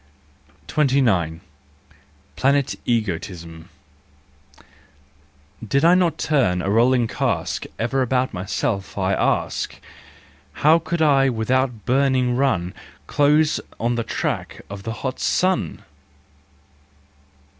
20 THE JOYFUL WISDOM 29. Planet Egoism . Did I not turn, a rolling cask, Ever about myself, I ask, How could I without burning run Close on the track of the hot sun